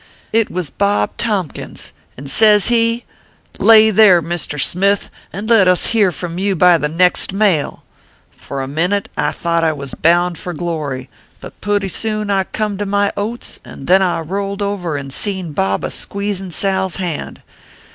It was Bob Tompkins, and sez he : Lay there, Mr. Smith, and let us here from you by the next mail/ For a min ute, I thought I was bound for glory, but pooty soon I come to my oats, and then I rolled over and seen Bob a squeezing Sal s hand.